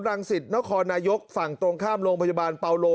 รังสิตเนาะคอนายยกฝั่งตรงข้ามโรงพยบานเปาโล